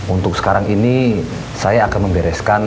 untuk sekarang ini saya akan membereskan